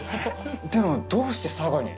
でもどうして佐賀に？